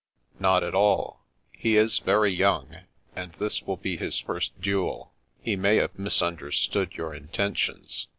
" Not at all. He is very young, and this will be his first duel. He may have misunderstood your intentions.